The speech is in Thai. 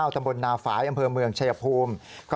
ตำบลนาฝายอำเภอเมืองชายภูมิ